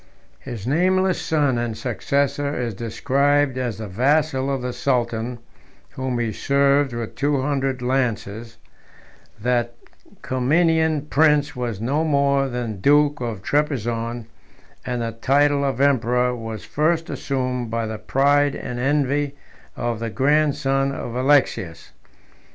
His nameless son and successor 212 is described as the vassal of the sultan, whom he served with two hundred lances: that Comnenian prince was no more than duke of Trebizond, and the title of emperor was first assumed by the pride and envy of the grandson of Alexius.